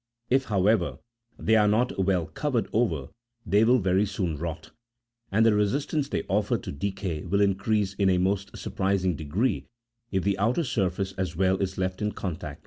If, however, they are not well covered over, they will very soon rot ; and the resistance they offer to decay will increase in a most surprising degree if the outer surface as well is left in contact with the water.